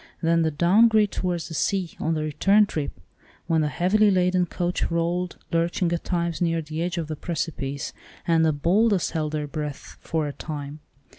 Then the down grade towards the sea, on the return trip, when the heavily laden coach rolled, lurching at times near the edge of the precipice, and the "boldest held their breath for a time."